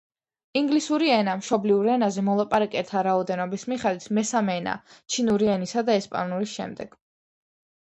ინგლისური ენა მშობლიურ ენაზე მოლაპარაკეთა რაოდენობის მიხედვით მესამე ენაა, ჩინური ენისა და ესპანურის შემდეგ.